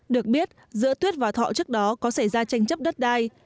được biết giữa tuyết và thọ trước đó có xảy ra tranh chấp đất đai